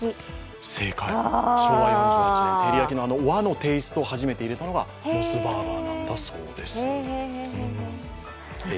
正解、昭和４１年、照り焼きの和のテーストを入れたのがモスバーガーなんだそうです。